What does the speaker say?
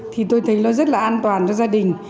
thì tôi thấy nó rất là an toàn cho gia đình